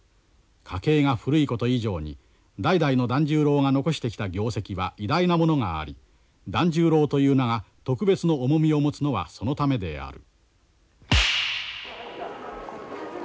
家系が古いこと以上に代々の團十郎が残してきた業績は偉大なものがあり團十郎という名が特別の重みを持つのはそのためである。